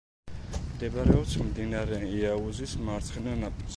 მდებარეობს მდინარე იაუზის მარცხენა ნაპირზე.